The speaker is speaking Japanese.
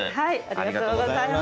ありがとうございます。